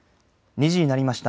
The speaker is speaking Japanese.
２時になりました。